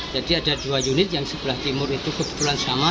jadi ada dua unit yang sebelah timur itu kebetulan sama